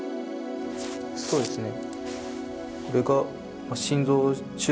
そうですね。